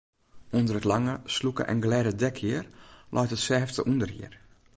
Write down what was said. Under it lange, slûke en glêde dekhier leit it sêfte ûnderhier.